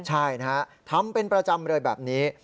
ใช่นะฮะทำเป็นประจำเลยแบบนี้